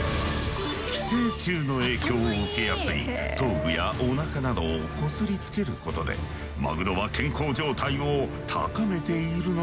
寄生虫の影響を受けやすい頭部やおなかなどを擦りつけることでマグロは健康状態を高めているのだそう。